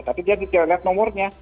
tapi dia bisa lihat nomornya